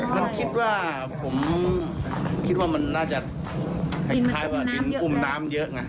มันคิดว่าผมคิดว่ามันน่าจะคล้ายว่าดินอุ้มน้ำเยอะไง